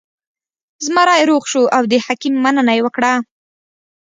زمری روغ شو او د حکیم مننه یې وکړه.